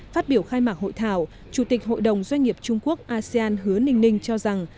phát biểu khai mạc hội thảo chủ tịch hội đồng doanh nghiệp trung quốc asean hứa ninh ninh cho rằng